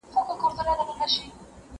زه مخکي سیر کړی و.